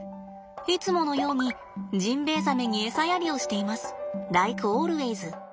いつものようにジンベエザメにエサやりをしています。